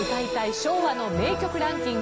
昭和の名曲ランキング